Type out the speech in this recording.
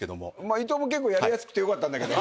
伊藤も結構やりやすくてよかったんだけど。